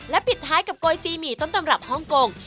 ปิดท้ายกับโกยซีหมี่ต้นตำรับฮ่องกง